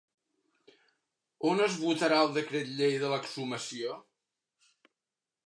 On es votarà el decret llei de l'exhumació?